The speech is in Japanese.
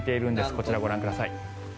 こちら、ご覧ください。